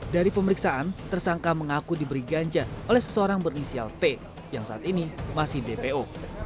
dari pemeriksaan tersangka mengaku diberi ganja oleh seseorang berinisial p yang saat ini masih dpo